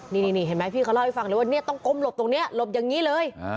นี่เห็นไหมพี่เขาเล่าให้ฟังเลยว่าเนี่ยต้องก้มหลบตรงนี้หลบอย่างนี้เลย